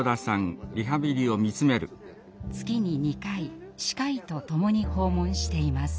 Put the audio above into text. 月に２回歯科医とともに訪問しています。